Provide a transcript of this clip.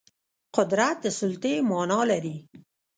قدرت د سلطې معنا لري